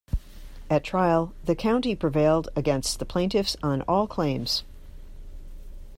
At trial, the County prevailed against the plaintiffs on all claims.